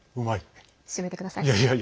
締めてください。